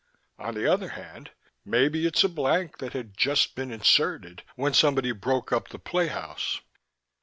"On the other hand, maybe it's a blank that had just been inserted when somebody broke up the play house....